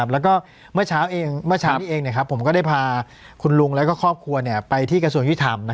แล้วก็เมื่อเช้าเมื่อเช้านี้เองผมก็ได้พาคุณลุงและครอบครัวไปที่กระทรวงยุทธรรม